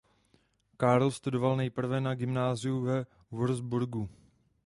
Karl studoval nejprve na gymnáziu ve Würzburgu.